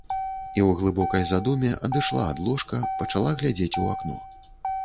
І ў глыбокай задуме адышла ад ложка, пачала глядзець у акно.